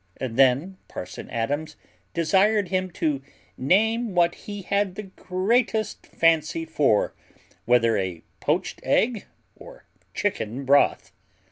Then parson Adams desired him to "name what he had the greatest fancy for; whether a poached egg, or chicken broth."